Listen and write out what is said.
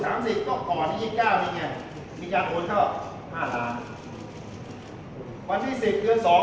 วัน๖๓๐ก็ก่อนที่๒๙นี่ไงมีการโอนเข้า๕ล้านวันนี้๑๐เดือน๒